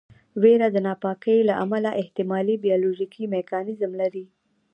ویره د ناپاکۍ له امله احتمالي بیولوژیکي میکانیزم لري.